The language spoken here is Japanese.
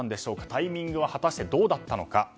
タイミングは果たして、どうだったのか。